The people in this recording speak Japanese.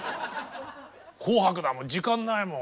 「紅白」だもん時間ないもん。